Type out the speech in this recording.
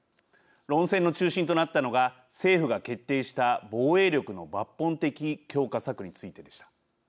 論戦の中心となったのが政府が決定した防衛力の抜本的強化策についてでした。